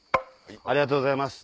ありがとうございます。